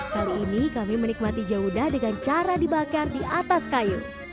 kali ini kami menikmati jaudah dengan cara dibakar di atas kayu